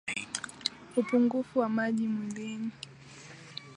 Upungufu wa maji mwilini